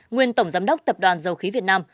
nguyên tổng giám đốc tập đoàn dầu khí việt nam